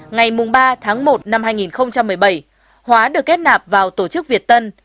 ngày ba tháng một năm hai nghìn một mươi bảy hóa được kết nạp vào tổ chức việt tân